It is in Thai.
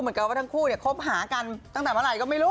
เหมือนกับว่าทั้งคู่เนี่ยคบหากันตั้งแต่เมื่อไหร่ก็ไม่รู้